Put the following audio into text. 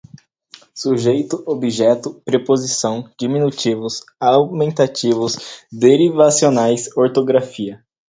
sujeito, objeto, preposição, diminutivos, aumentativos derivacionais, ortografia